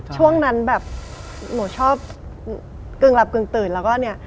ช่วงนั้นแบบหนูชอบกึ่งหลับกึ่งตื่นแล้วก็เนี่ย